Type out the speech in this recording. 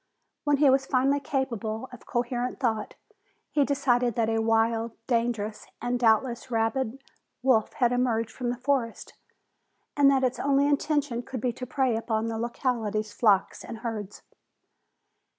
When he was finally capable of coherent thought, he decided that a wild, dangerous and doubtless rabid wolf had emerged from the forest and that its only intention could be to prey upon the locality's flocks and herds.